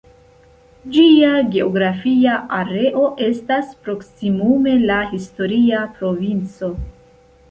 Ĝia geografia areo estas proksimume la historia provinco.